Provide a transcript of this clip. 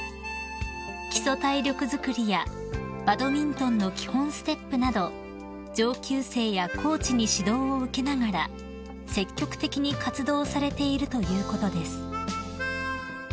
［基礎体力づくりやバドミントンの基本ステップなど上級生やコーチに指導を受けながら積極的に活動されているということです］